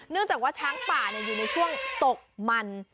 จากว่าช้างป่าอยู่ในช่วงตกมัน